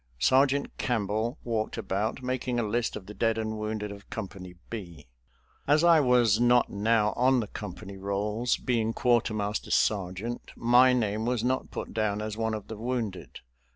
Sergeant Campbell walked about, making a list of the dead and wounded of Company B. As I was not now on the company rolls, being quartermaster sergeant, my name was not put down as one of the wounded.